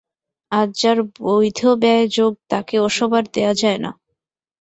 আজ যার বৈধব্যয়যোগ তাকে ওসব আর দেয়া যায় না।